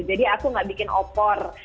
jadi aku nggak bikin opor